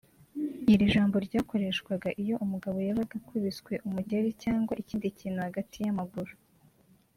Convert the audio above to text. Iri jambo ryakoreshwaga iyo umugabo yabaga ukubiswe umugeri cyangwa ikindi kintu hagati y’amaguru